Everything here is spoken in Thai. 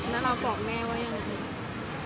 แล้วเราบอกแม่ว่ายังไง